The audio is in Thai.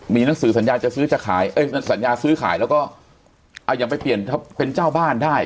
มีหนังสือสัญญาจะซื้อจะขายเอ้ยสัญญาซื้อขายแล้วก็เอาอย่างไปเปลี่ยนเป็นเจ้าบ้านได้